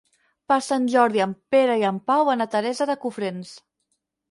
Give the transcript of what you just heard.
Per Sant Jordi en Pere i en Pau van a Teresa de Cofrents.